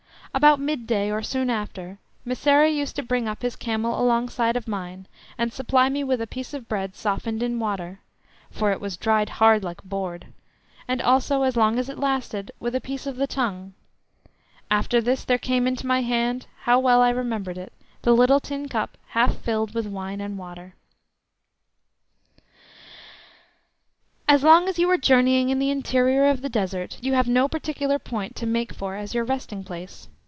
About midday, or soon after, Mysseri used to bring up his camel alongside of mine, and supply me with a piece of bread softened in water (for it was dried hard like board), and also (as long as it lasted) with a piece of the tongue; after this there came into my hand (how well I remember it) the little tin cup half filled with wine and water. As long as you are journeying in the interior of the Desert you have no particular point to make for as your resting place.